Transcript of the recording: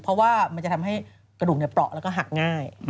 เพราะว่ามันจะทำให้กระดูกเปราะแล้วก็หักง่าย